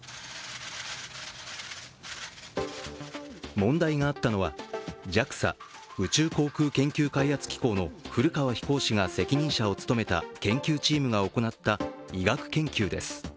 問題があったのはＪＡＸＡ＝宇宙航空研究開発機構の古川飛行士が責任者を務めた研究チームが行った、医学研究です。